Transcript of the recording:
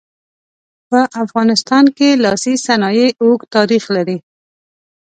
په افغانستان کې لاسي صنایع اوږد تاریخ لري.